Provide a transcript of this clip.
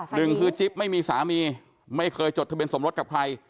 หนึ่งคือจิ๊บไม่มีสามีไม่เคยจดทะเบียนสมรสกับใคร